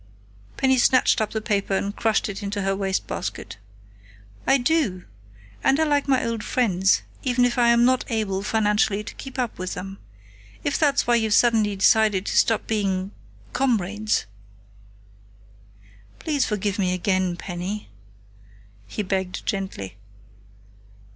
Penny snatched up the paper and crushed it into her wastebasket. "I do! And I like my old friends, even if I am not able, financially, to keep up with them.... If that's why you've suddenly decided to stop being comrades " "Please forgive me again, Penny," he begged gently.